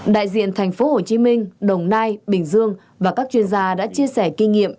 đại diện thành phố hồ chí minh đồng nai bình dương và các chuyên gia đã chia sẻ kinh nghiệm